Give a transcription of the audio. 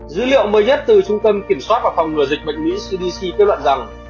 dữ liệu mới nhất từ trung tâm kiểm soát và phòng ngừa dịch bệnh mỹ cdc kết luận rằng